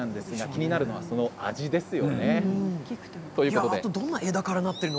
気になるのは味ですよね。